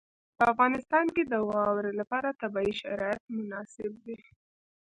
په افغانستان کې د واوره لپاره طبیعي شرایط مناسب دي.